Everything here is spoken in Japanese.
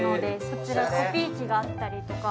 こちら、コピー機があったりとか。